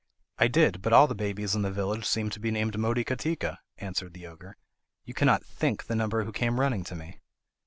"I did, but all the babies in the village seemed to be named Motikatika," answered the ogre; "you cannot think the number who came running to me."